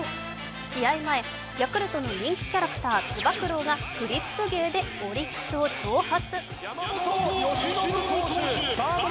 試合前、ヤクルトの人気キャラクター、つば九郎がフリップ芸でオリックスを挑発。